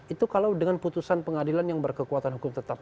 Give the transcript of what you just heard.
itu kalau dengan putusan pengadilan yang berkekuatan hukum tetap